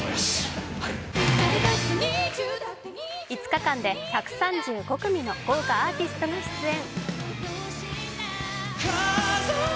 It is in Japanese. ５日間で１３５組の豪華アーティストが出演。